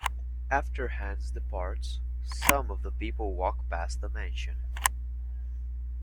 After Hans departs, some of the people walk past the mansion.